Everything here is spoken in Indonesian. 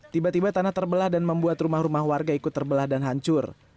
tiba tiba tanah terbelah dan membuat rumah rumah warga ikut terbelah dan hancur